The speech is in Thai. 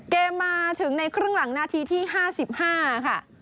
มาถึงในครึ่งหลังนาทีที่๕๕ค่ะ